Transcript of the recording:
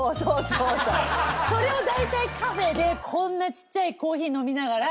それをだいたいカフェでこんなちっちゃいコーヒー飲みながら。